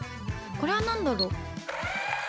これは何だろう。